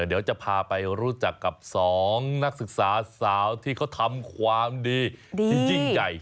เดี๋ยวจะพาไปรู้จักกับ๒นักศึกษาสาวที่เขาทำความดีที่ยิ่งใหญ่